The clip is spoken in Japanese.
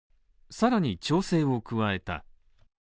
さらに調整を加えた。